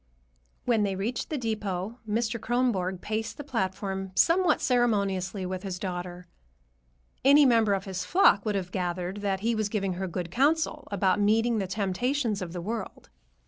When they reached the depot, Mr. Kronborg paced the platform somewhat ceremoniously with his daughter. Any member of his flock would have gathered that he was giving her good counsel about meeting the temptations of the world.